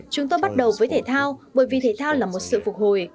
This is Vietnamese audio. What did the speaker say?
chúng tôi bắt đầu với thể thao bởi vì thể thao là một sự phục hồi